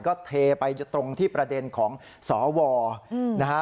ก็เทไปตรงที่ประเด็นของสวนะฮะ